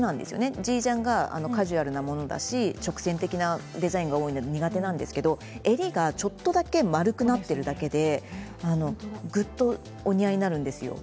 Ｇジャンがカジュアルなものだし直線的なデザインがあるので苦手なんですけど、襟がちょっとだけ丸くなっているだけでぐっとお似合いになるんですよ。